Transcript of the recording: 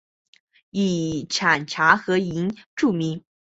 以产茶和银著名。